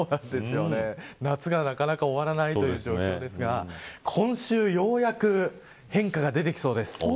夏がなかなか終わらないという状況ですが今週ようやく変化が出てきそうです。